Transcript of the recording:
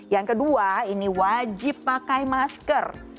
yang kedua ini wajib pakai masker